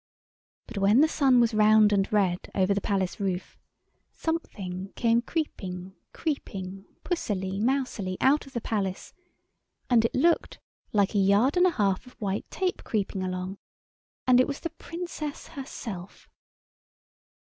But when the sun was round and red over the Palace roof, something came creeping, creeping, pussily, mousily out of the Palace; and it looked like a yard and a half of white tape creeping along; and it was the Princess herself.